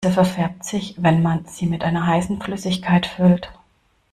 Die Tasse verfärbt sich, wenn man sie mit einer heißen Flüssigkeit füllt.